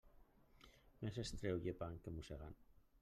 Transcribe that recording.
Més es trau llepant que mossegant.